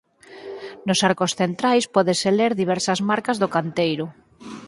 Nos arcos centrais pódense ler diversas marcas do canteiro.